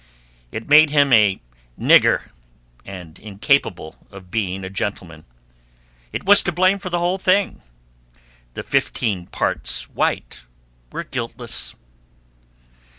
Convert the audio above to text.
It made him a "nigger" and incapable of being a gentleman. It was to blame for the whole thing. The fifteen parts white were guiltless.